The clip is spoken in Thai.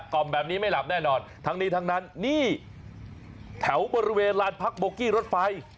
กล่อมแบบนี้ค่ะแถวบริเวณร้านพักโบกี้รถไฟ